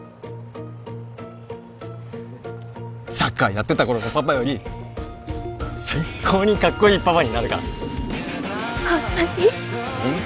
サッカーやってた頃のパパより最高にカッコいいパパになるからホントに？